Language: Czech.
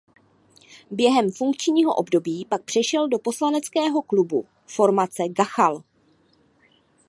Během funkčního období pak přešel do poslaneckého klubu formace Gachal.